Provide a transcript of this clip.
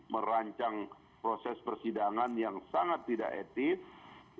merancang proses persidangan yang sangat tidak etis